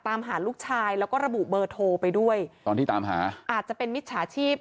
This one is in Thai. ตามหาลูกชายแล้วก็ระบุเบอร์โทรไปด้วยตอนที่ตามหาอาจจะเป็นมิจฉาชีพ